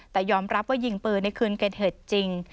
แต่ยอมรับว่ายิงปืนในคืนเกิดเหตุจริง